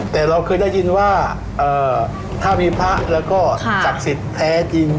แต่เราเคยได้ยินว่าถ้ามีพระแล้วก็จักษิแท้จริง